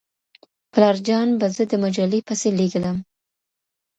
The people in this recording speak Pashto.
پلارجان به زه د مجلې پسې لېږلم.